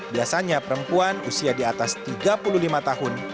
biasanya perempuan usia di atas tiga puluh lima tahun